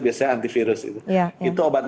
biasanya antivirus itu obat